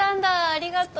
ありがとう。